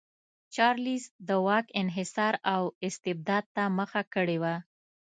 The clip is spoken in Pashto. چارلېز د واک انحصار او استبداد ته مخه کړې وه.